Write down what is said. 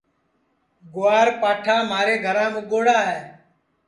گُوار پاٹھا مھارے گھرام اُگوڑا ہے